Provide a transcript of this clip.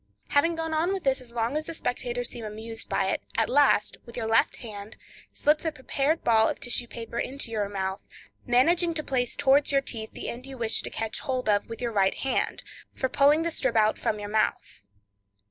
Having gone on with this as long as the spectators seem amused by it; at last, with your left hand, slip the prepared ball of tissue paper into your mouth, managing to place towards your teeth the end you wish to catch hold of with your right hand, for pulling the strip out from your mouth.